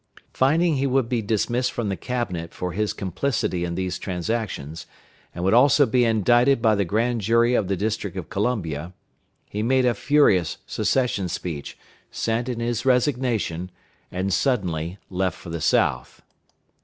Finding he would be dismissed from the Cabinet for his complicity in these transactions, and would also be indicted by the Grand Jury of the District of Columbia, he made a furious Secession speech, sent in his resignation, and suddenly left for the South.